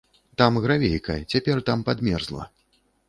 Там гравейка, цяпер там падмерзла.